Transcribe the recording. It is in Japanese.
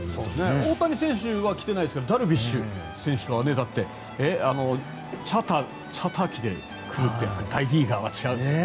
大谷選手は来てないですがダルビッシュ選手は、だってチャーター機で来るっていって大リーガーは違いますね。